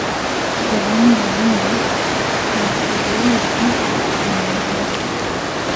Gavana wa jimbo la kolwezi ni mwanamuke